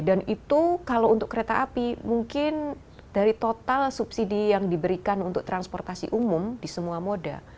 dan itu kalau untuk kereta api mungkin dari total subsidi yang diberikan untuk transportasi umum di semua moda